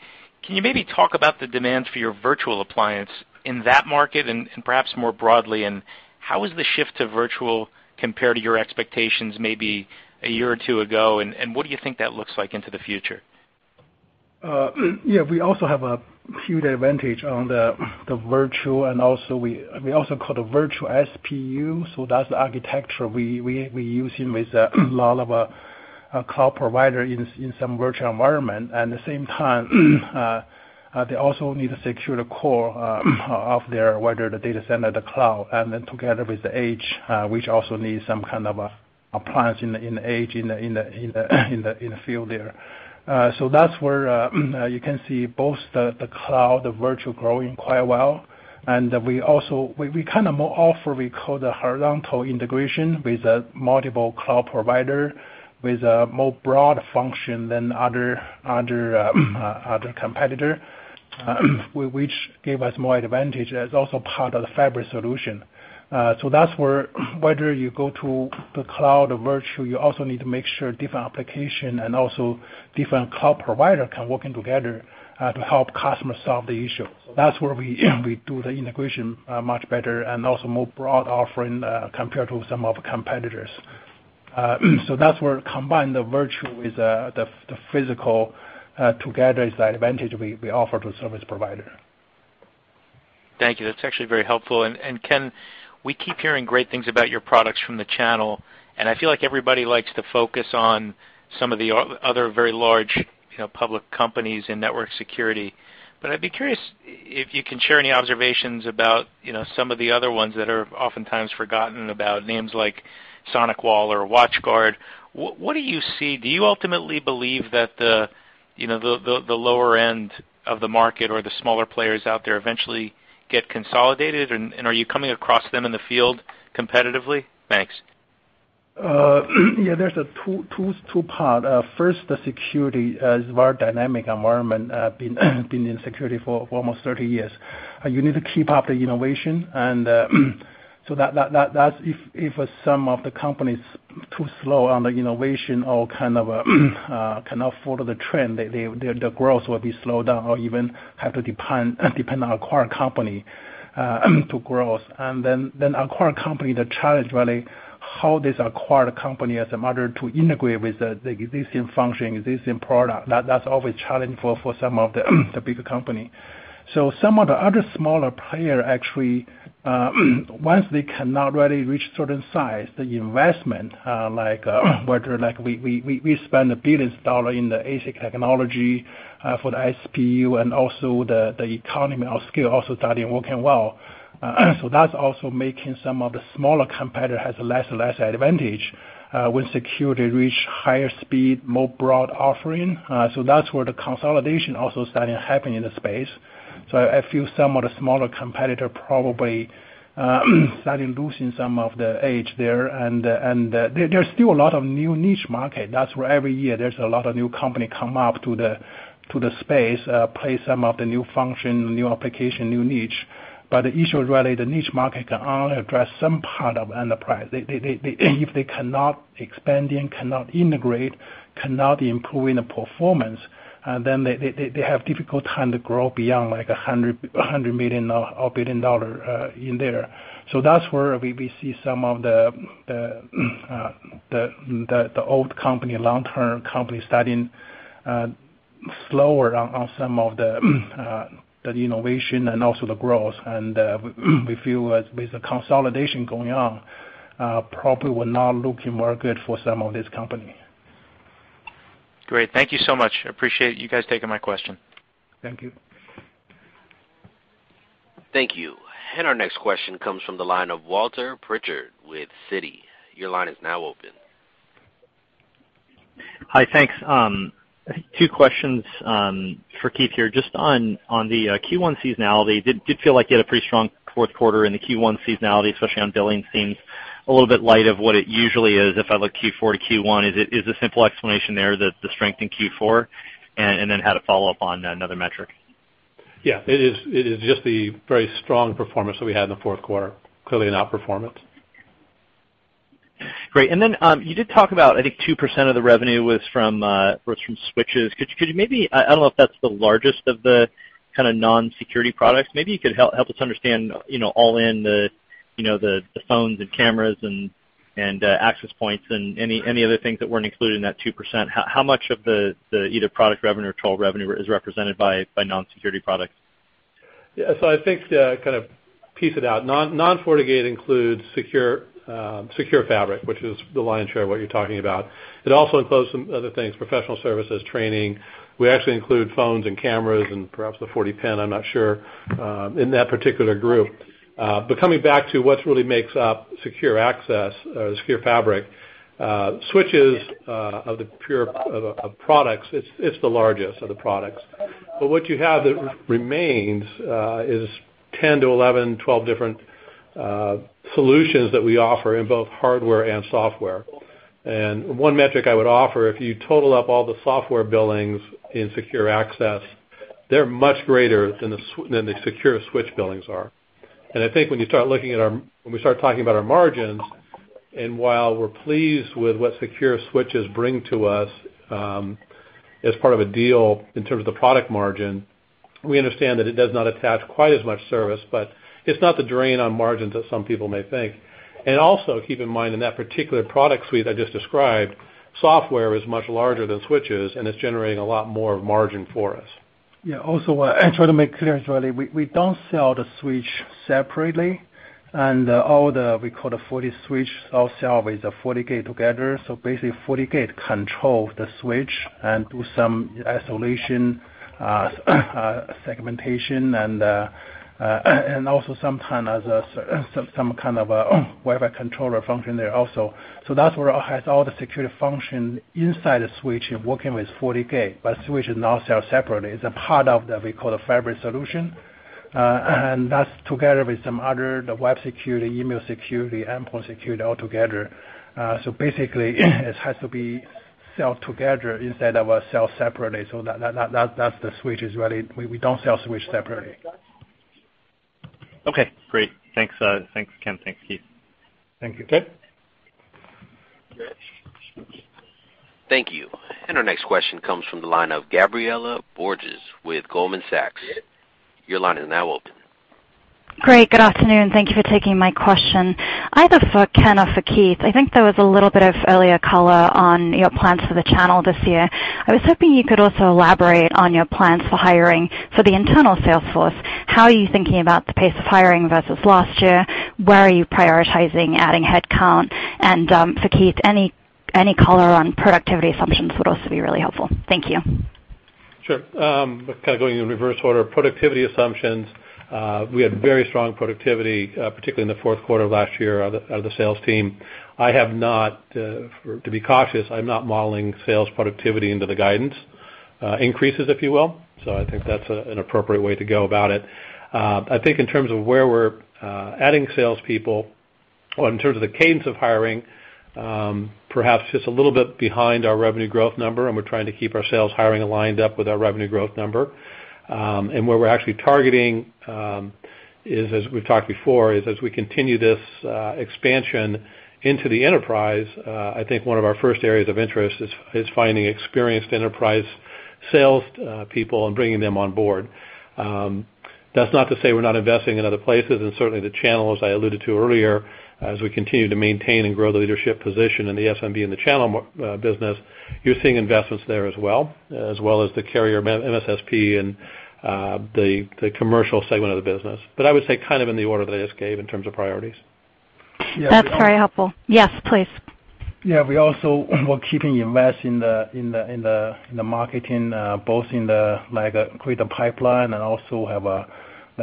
you maybe talk about the demands for your virtual appliance in that market and perhaps more broadly, and how is the shift to virtual compare to your expectations maybe a year or two ago, and what do you think that looks like into the future? Yeah. We also have a huge advantage on the virtual, and also we also call the virtual SPU. That's the architecture we're using with a lot of cloud provider in some virtual environment. At the same time, they also need to secure the core of their, whether the data center, the cloud, and then together with the Edge, which also needs some kind of appliance in the Edge, in the field there. That's where you can see both the cloud, the virtual growing quite well. We kind of more offer, we call the horizontal integration with a multiple cloud provider with a more broad function than other competitor, which give us more advantage as also part of the Fabric solution. That's where whether you go to the cloud or virtual, you also need to make sure different application and also different cloud provider can working together to help customers solve the issue. That's where we do the integration much better and also more broad offering compared to some of the competitors. That's where combine the virtual with the physical together is the advantage we offer to service provider. Thank you. That's actually very helpful. Ken, we keep hearing great things about your products from the channel, and I feel like everybody likes to focus on some of the other very large public companies in network security. I'd be curious if you can share any observations about some of the other ones that are oftentimes forgotten about, names like SonicWall or WatchGuard. What do you see? Do you ultimately believe that the lower end of the market or the smaller players out there eventually get consolidated, and are you coming across them in the field competitively? Thanks. Yeah. There's two part. First, the security is very dynamic environment. Been in security for almost 30 years. That's if some of the company's too slow on the innovation or cannot follow the trend, the growth will be slowed down or even have to depend on acquire company to growth. Acquire company, the challenge, really, how this acquired company as a model to integrate with the existing function, existing product. That's always challenging for some of the bigger company. Some of the other smaller player actually, once they cannot really reach certain size, the investment, like whether we spend $1 billion in the ASIC technology for the SPU and also the economy of scale also starting working well. That's also making some of the smaller competitor has less advantage, when security reach higher speed, more broad offering. That's where the consolidation also starting to happen in the space. I feel some of the smaller competitor probably starting losing some of the edge there. There's still a lot of new niche market. That's where every year there's a lot of new company come up to the space, play some of the new function, new application, new niche. The issue is really the niche market can only address some part of enterprise. If they cannot expand and cannot integrate, cannot improve in the performance, then they have difficult time to grow beyond like $100 million or $1 billion in there. That's where we see some of the old company, long-term company starting slower on some of the innovation and also the growth. We feel with the consolidation going on, probably will not looking very good for some of this company. Great. Thank you so much. Appreciate you guys taking my question. Thank you. Thank you. Our next question comes from the line of Walter Pritchard with Citi. Your line is now open. Hi. Thanks. Two questions for Keith here. Just on the Q1 seasonality, did feel like you had a pretty strong fourth quarter in the Q1 seasonality, especially on billing seems a little bit light of what it usually is. If I look Q4 to Q1, is the simple explanation there the strength in Q4? Had a follow-up on another metric. Yeah, it is just the very strong performance that we had in the fourth quarter. Clearly an outperformance. Great. You did talk about, I think 2% of the revenue was from switches. I don't know if that's the largest of the non-security products. Maybe you could help us understand all in the phones and cameras and access points and any other things that weren't included in that 2%. How much of the either product revenue or total revenue is represented by non-security products? Yeah. I think to kind of piece it out, non-FortiGate includes Security Fabric, which is the lion's share of what you're talking about. It also includes some other things, professional services, training. We actually include phones and cameras and perhaps the FortiPen, I'm not sure, in that particular group. Coming back to what really makes up secure access, Security Fabric, switches of products, it's the largest of the products. What you have that remains is 10 to 11, 12 different solutions that we offer in both hardware and software. One metric I would offer, if you total up all the software billings in secure access, they're much greater than the secure switch billings are. I think when we start talking about our margins, while we're pleased with what secure switches bring to us as part of a deal in terms of the product margin, we understand that it does not attach quite as much service, but it's not the drain on margins that some people may think. Also keep in mind, in that particular product suite I just described, software is much larger than switches, and it's generating a lot more margin for us. Yeah. Also, I try to make clear, we don't sell the switch separately, all the, we call the FortiSwitch, all sell with the FortiGate together. Basically, FortiGate control the switch and do some isolation, segmentation, and also some kind of a web controller function there also. That's where it has all the security function inside the switch and working with FortiGate. Switch is not sell separately. It's a part of the, we call the fabric solution. That's together with some other, the web security, email security, endpoint security, all together. Basically, it has to be sell together instead of a sell separately. That's the switch is really, we don't sell switch separately. Okay, great. Thanks Ken. Thanks Keith. Thank you, Keith. Great. Thank you. Our next question comes from the line of Gabriela Borges with Goldman Sachs. Your line is now open. Great. Good afternoon. Thank you for taking my question. Either for Ken or for Keith, I think there was a little bit of earlier color on your plans for the channel this year. I was hoping you could also elaborate on your plans for hiring for the internal sales force. How are you thinking about the pace of hiring versus last year? Where are you prioritizing adding headcount? For Keith, any color on productivity assumptions would also be really helpful. Thank you. Sure. Kind of going in reverse order. Productivity assumptions, we had very strong productivity, particularly in the fourth quarter of last year out of the sales team. To be cautious, I'm not modeling sales productivity into the guidance, increases, if you will. I think that's an appropriate way to go about it. I think in terms of where we're adding sales people or in terms of the cadence of hiring, perhaps just a little bit behind our revenue growth number, and we're trying to keep our sales hiring aligned up with our revenue growth number. Where we're actually targeting, as we've talked before, is as we continue this expansion into the enterprise, I think one of our first areas of interest is finding experienced enterprise sales people and bringing them on board. That's not to say we're not investing in other places, and certainly the channels I alluded to earlier, as we continue to maintain and grow the leadership position in the SMB and the channel business, you're seeing investments there as well, as well as the carrier MSSP and the commercial segment of the business. I would say kind of in the order that I just gave in terms of priorities. That's very helpful. Yes, please. We also were keeping invest in the marketing, both in the create a pipeline and also have a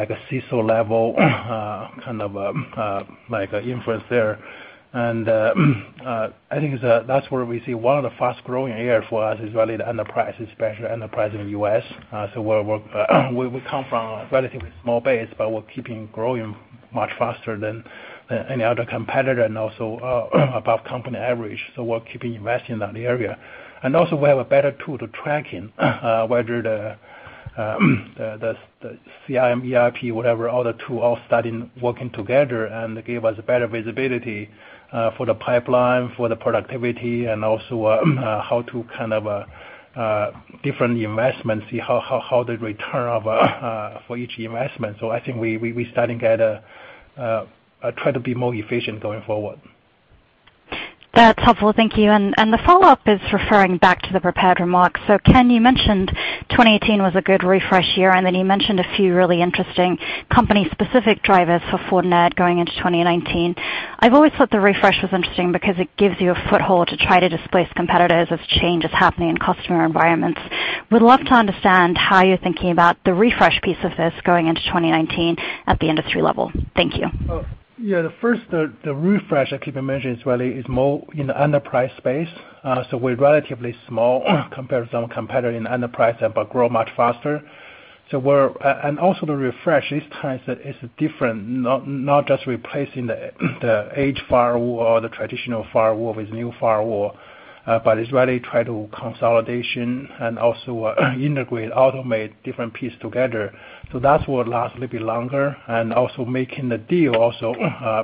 CISO level kind of influence there. I think that's where we see one of the fast-growing area for us is really the enterprise, especially enterprise in the U.S. We come from a relatively small base, but we're keeping growing much faster than any other competitor and also above company average. We're keeping investing in that area. Also we have a better tool to tracking whether the CRM, ERP, whatever, all the tool all starting working together and give us better visibility for the pipeline, for the productivity, and also how to kind of different investments, see how the return for each investment. I think we're starting to try to be more efficient going forward. That's helpful. Thank you. The follow-up is referring back to the prepared remarks. Ken, you mentioned 2018 was a good refresh year, and then you mentioned a few really interesting company-specific drivers for Fortinet going into 2019. I've always thought the refresh was interesting because it gives you a foothold to try to displace competitors as change is happening in customer environments. Would love to understand how you're thinking about the refresh piece of this going into 2019 at the industry level. Thank you. The refresh I keep mentioning really is more in the enterprise space. We're relatively small compared to some competitor in enterprise, but grow much faster. The refresh this time is different, not just replacing the aged firewall or the traditional firewall with new firewall, but it's really try to consolidate and also integrate, automate different pieces together. That will last a little bit longer and also making the deal also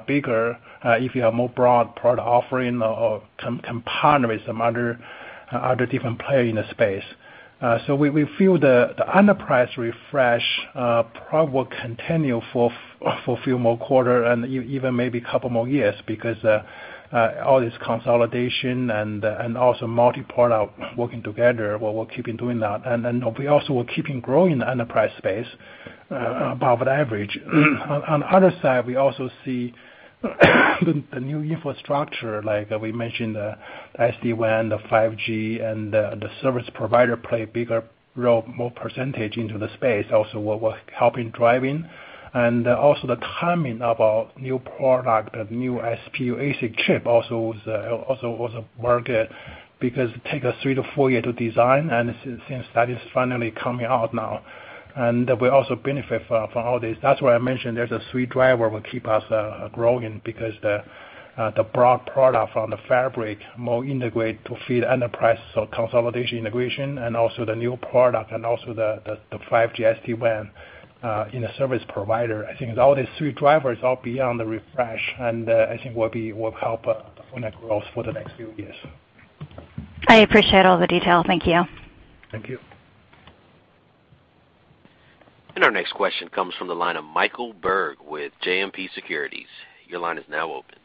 bigger, if you have more broad product offering or can partner with some other different player in the space. We feel the enterprise refresh probably will continue for a few more quarters and even maybe couple more years because all this consolidation and also multi-product working together, we'll keep doing that. We also will keep growing the enterprise space above average. On the other side, we also see the new infrastructure, like we mentioned, the SD-WAN, the 5G, and the service provider play bigger role, more percentage into the space, also what we're helping driving. The timing of a new product, a new SPU ASIC chip also was a mark because it take us three to four years to design, since that is finally coming out now. We also benefit from all this. That's why I mentioned there's three drivers will keep us growing because the broad product from the Security Fabric more integrated to feed enterprise, consolidation, integration, and also the new product and also the 5G SD-WAN in a service provider. I think all these three drivers all beyond the refresh, and I think will help Fortinet growth for the next few years. I appreciate all the detail. Thank you. Thank you. Our next question comes from the line of Michael Berg with JMP Securities. Your line is now open.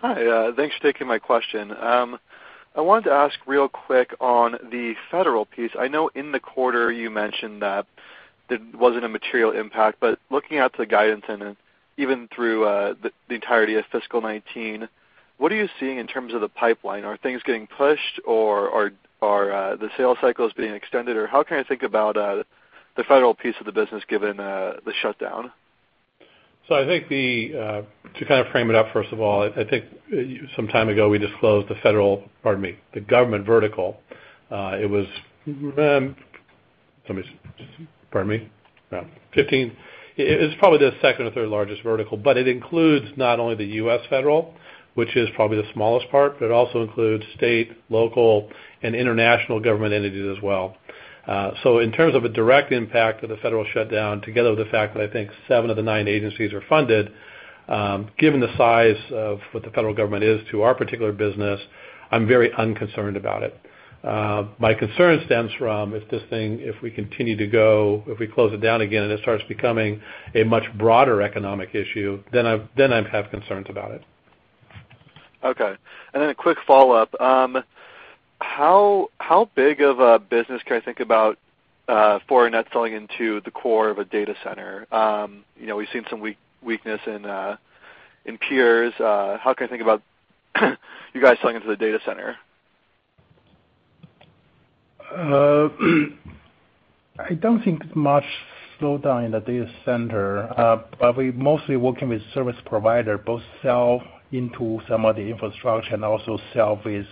Hi, thanks for taking my question. I wanted to ask real quick on the federal piece. I know in the quarter you mentioned that there wasn't a material impact, but looking out to the guidance and even through the entirety of Fiscal 2019, what are you seeing in terms of the pipeline? Are things getting pushed or are the sales cycles being extended, or how can I think about the federal piece of the business given the shutdown? I think to kind of frame it up, first of all, I think some time ago we disclosed the federal, pardon me, the government vertical. It was, pardon me, around 15%. It's probably the second or third largest vertical, but it includes not only the U.S. federal, which is probably the smallest part, but it also includes state, local, and international government entities as well. In terms of a direct impact of the federal shutdown, together with the fact that I think seven of the nine agencies are funded. Given the size of what the federal government is to our particular business, I'm very unconcerned about it. My concern stems from if we continue to go, if we close it down again, and it starts becoming a much broader economic issue, then I'd have concerns about it. Okay. Then a quick follow-up. How big of a business can I think about Fortinet selling into the core of a data center? We've seen some weakness in peers. How can I think about you guys selling into the data center? I don't think much slowdown in the data center. We mostly working with service provider, both sell into some of the infrastructure and also sell with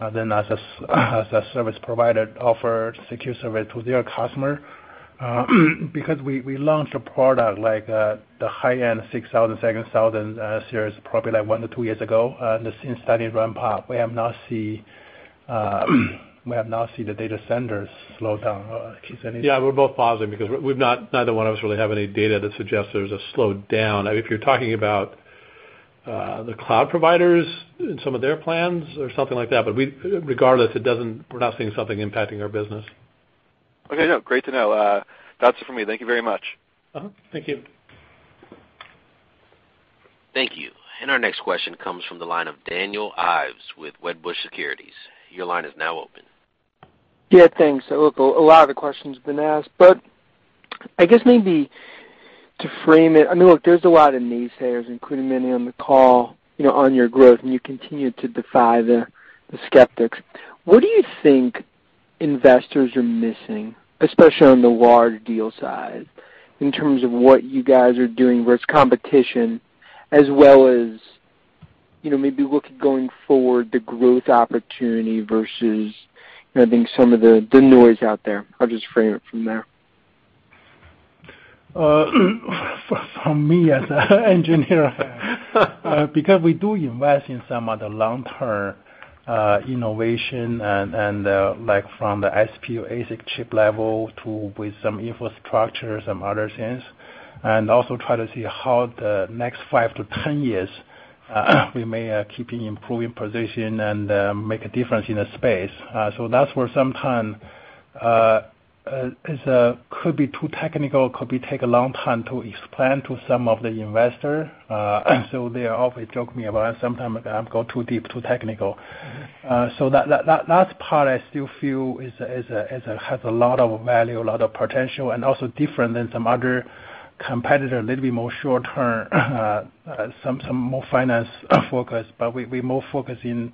as a service provider offer secure service to their customer. Because we launched a product like the high-end 6000, 7000 series, probably like one to two years ago, and it's starting to ramp up. We have not seen the data centers slow down. Keith, anything? Yeah, we're both pausing because neither one of us really have any data that suggests there's a slowdown. If you're talking about the cloud providers and some of their plans or something like that, regardless, we're not seeing something impacting our business. Okay. No, great to know. That's it for me. Thank you very much. Uh-huh. Thank you. Thank you. Our next question comes from the line of Daniel Ives with Wedbush Securities. Your line is now open. Yeah, thanks. A lot of the question's been asked, but I guess maybe to frame it, look, there's a lot of naysayers, including many on the call, on your growth, and you continue to defy the skeptics. What do you think investors are missing, especially on the large deal side, in terms of what you guys are doing versus competition, as well as maybe looking going forward, the growth opportunity versus, I think some of the noise out there? I'll just frame it from there. For me as an engineer, because we do invest in some of the long-term innovation and like from the SPU ASIC chip level with some infrastructure, some other things, and also try to see how the next five to 10 years we may keep improving position and make a difference in the space. That's where sometimes could be too technical, could be take a long time to explain to some of the investors. They are always joking me about sometimes I go too deep, too technical. That last part I still feel has a lot of value, a lot of potential, and also different than some other competitor, a little bit more short-term, some more finance-focused. We're more focused in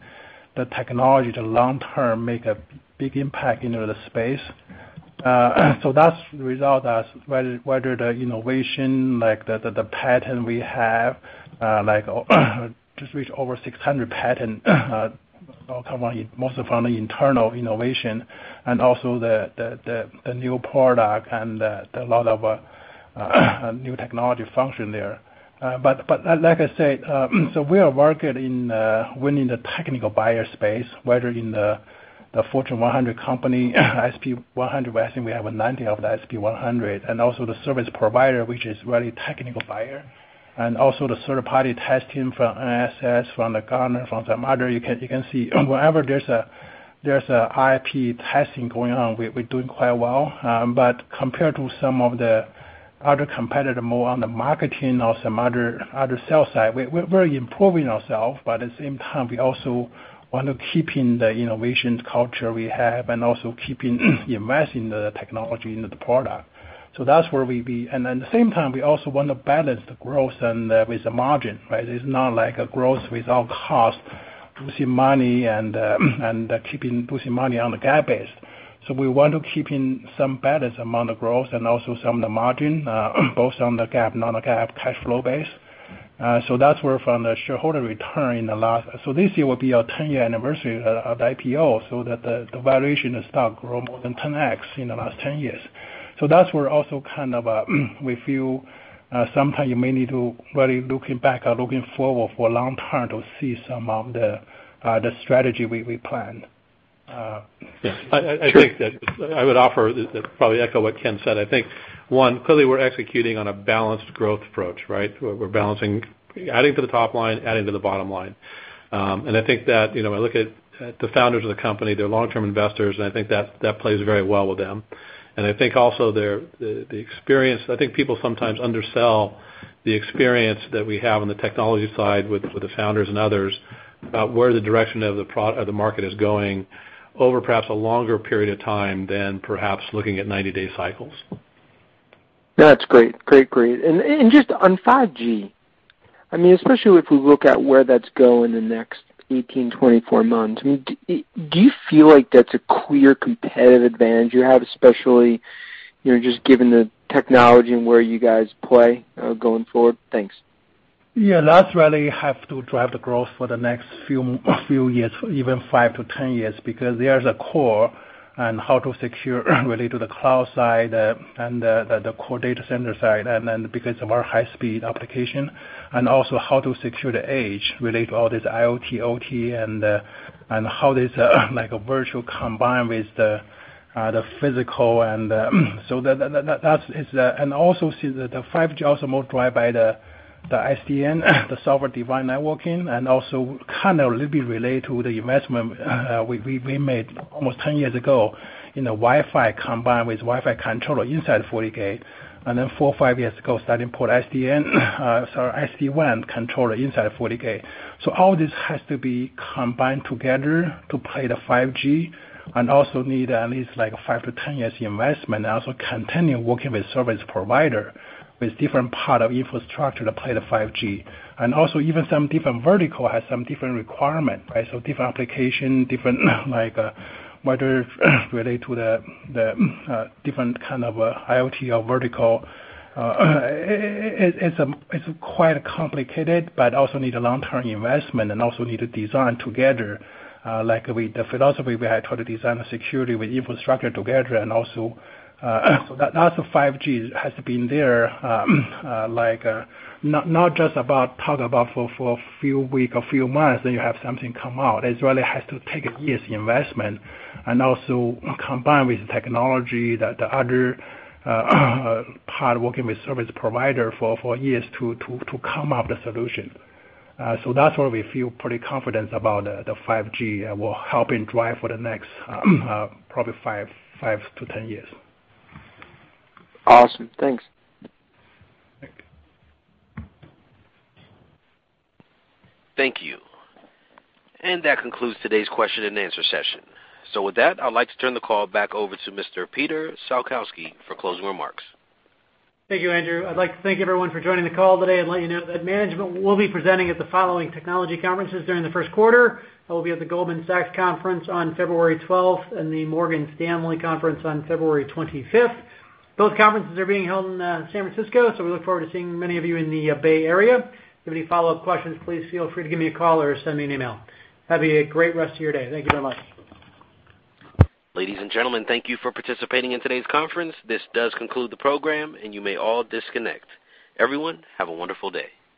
the technology to long-term make a big impact into the space. That's the result as whether the innovation, like the patent we have, like just reached over 600 patent, mostly from the internal innovation and also the new product and a lot of new technology function there. Like I said, we are working within the technical buyer space, whether in the Fortune 100 company, S&P 100, where I think we have 90 of the S&P 100, and also the service provider, which is really technical buyer, and also the third party testing from NSS, from the Gartner, from some other you can see. Wherever there's a IP testing going on, we're doing quite well. Compared to some of the other competitor more on the marketing or some other sales side, we're really improving ourselves, but at the same time, we also want to keeping the innovation culture we have and also keeping investing the technology into the product. That's where we'll be. At the same time, we also want to balance the growth and with the margin, right? It's not like a growth without cost, losing money and keeping losing money on the GAAP base. We want to keeping some balance among the growth and also some of the margin, both on the GAAP, non-GAAP cash flow base. That's where from the shareholder return in the last. This year will be our 10-year anniversary of the IPO, so the valuation of stock grow more than 10x in the last 10 years. That's where also we feel sometimes you may need to really looking back or looking forward for long-term to see some of the strategy we plan. I think that I would offer, probably echo what Ken said. I think, one, clearly we're executing on a balanced growth approach, right? We're balancing adding to the top line, adding to the bottom line. I think that I look at the founders of the company, they're long-term investors, and I think that plays very well with them. I think also the experience, I think people sometimes undersell the experience that we have on the technology side with the founders and others about where the direction of the market is going over perhaps a longer period of time than perhaps looking at 90-day cycles. That's great. Just on 5G, especially if we look at where that's going in the next 18, 24 months, do you feel like that's a clear competitive advantage you have, especially just given the technology and where you guys play going forward? Thanks. That's really have to drive the growth for the next few years, even five-10 years, because there's a core on how to secure related to the cloud side and the core data center side, and then because of our high-speed application, and also how to secure the edge related to all this IoT, OT, and how this, like a virtual combined with the physical. Also see that the 5G also more drive by the SDN, the software-defined networking, and also kind of a little bit related to the investment we made almost 10 years ago in the Wi-Fi, combined with Wi-Fi controller inside FortiGate. Then four or five years ago, starting put SD-WAN controller inside of FortiGate. All this has to be combined together to play the 5G and also need at least five-10 years investment, also continue working with service provider with different part of infrastructure to play the 5G. Also even some different vertical has some different requirement. Different application, different like whether related to the different kind of IoT or vertical. It's quite complicated, also need a long-term investment and also need to design together, like with the philosophy we had tried to design the security with infrastructure together. Also 5G has been there, not just about talk about for a few week, a few months, then you have something come out. It really has to take years investment and also combine with technology that the other part working with service provider for years to come up with the solution. That's why we feel pretty confident about the 5G will help and drive for the next probably five-10 years. Awesome. Thanks. Thank you. Thank you. That concludes today's question and answer session. With that, I'd like to turn the call back over to Mr. Peter Salkowski for closing remarks. Thank you, Andrew. I'd like to thank everyone for joining the call today and let you know that management will be presenting at the following technology conferences during the first quarter. I will be at the Goldman Sachs Conference on February 12th and the Morgan Stanley Conference on February 25th. Both conferences are being held in San Francisco, we look forward to seeing many of you in the Bay Area. If you have any follow-up questions, please feel free to give me a call or send me an email. Have a great rest of your day. Thank you very much. Ladies and gentlemen, thank you for participating in today's conference. This does conclude the program, you may all disconnect. Everyone, have a wonderful day.